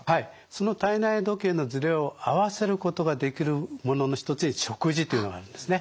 その体内時計のズレを合わせることができるものの一つに食事というのがあるんですね。